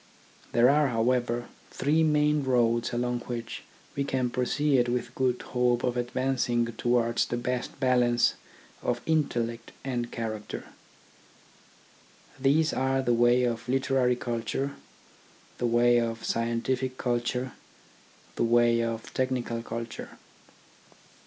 There are, how ever, three main roads along which we can proceed with good hope of advancing towards the best balance of intellect and character : these are the way of literary culture, the way of scien tific culture, the way of technical culture.